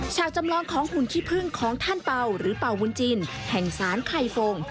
จำลองของหุ่นขี้พึ่งของท่านเป่าหรือเป่าบุญจินแห่งสารไข่ฟง